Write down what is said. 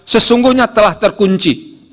sesungguhnya telah terkunci